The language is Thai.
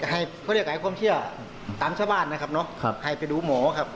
ให้พ่อเด็กไอ้ความเที่ยวตามชาวบ้านนะครับให้ไปดูหมอครับ